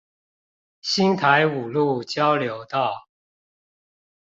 新台五路交流道